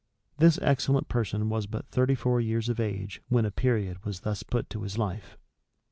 [*] This excellent person was but thirty four years of age when a period was thus put to his life.